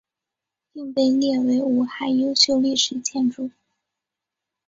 并被列为武汉优秀历史建筑。